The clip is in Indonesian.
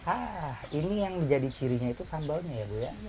ah ini yang jadi cirinya itu sambalnya ya bu ya